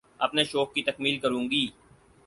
اپنے شوق کی تکمیل کروں گی